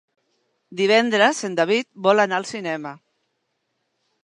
Divendres en David vol anar al cinema.